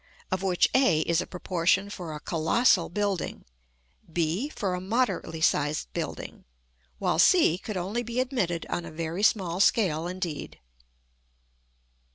of which a is a proportion for a colossal building, b for a moderately sized building, while c could only be admitted on a very small scale indeed.